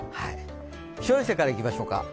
気象衛星からいきましょうか。